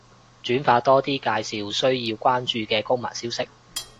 轉發多啲介紹需要關注嘅公民消息